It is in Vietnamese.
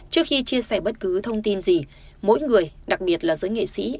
trước khi chia sẻ bất cứ thông tin gì mỗi người đặc biệt là giới nghệ sĩ